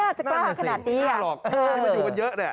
ไม่น่าจะกล้าขนาดนี้น่าหรอกไม่ง่ายมันอยู่กันเยอะแหละ